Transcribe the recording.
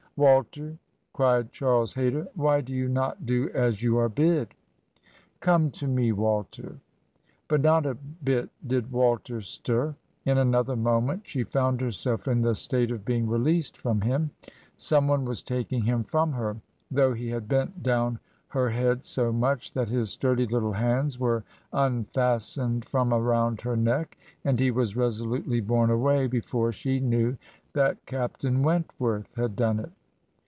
'Walter,' cried Charles Ha3^er, ' why do you not do as you are bid? ... Come to me, Walter.' But not a bit did Walter stir. In another moment she found herself in the state of being released from him; some one was taking him from her, though he had bent down her head so much that his sturdy little hands were unfastened from around her neck and he was resolutely borne away, before she knew that Captain Wentworth had done it.